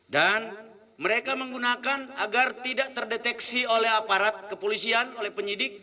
dan mereka menggunakan agar tidak terdeteksi oleh aparat kepolisian oleh penyidik